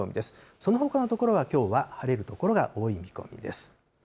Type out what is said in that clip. そのほかの所は、きょうは晴れる所が多い見込みです。